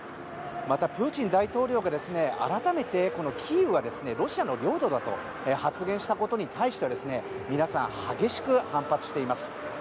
またプーチン大統領が改めてキーウはロシアの領土だと発言したことに対しては皆さん、激しく反発しています。